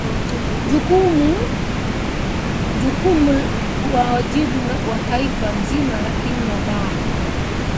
jukumu na wajibu wa taifa nzima lakini nadhani